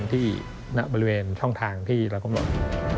ที่ณบริเวณช่องทางที่รับบนหลัก